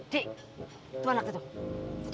dik itu anaknya tuh